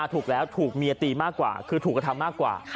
ถูกแล้วถูกเมียตีมากกว่าคือถูกกระทำมากกว่า